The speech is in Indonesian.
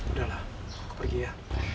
udah lah aku pergi ya